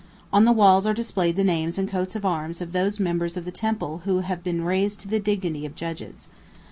On the walls are displayed the names and coats of arms of those members of the Temple who have been raised to the dignity of judges.